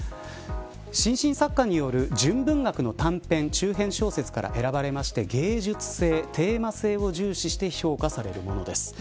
新進作家による純文学の短編中編小説から選ばれまして芸術性、テーマ性を重視して評価されるものです。